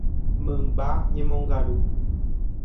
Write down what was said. Mymba ñemongaru.